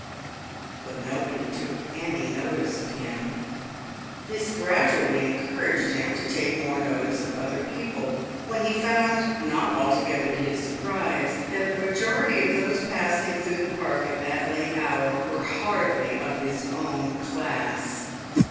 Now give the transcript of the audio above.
But nobody took any notice of him; this gradually encouraged him to take more notice of other people, when he found, not altogether to his surprise, that the majority of those passing through the Park at that late hour were hardly of his own class.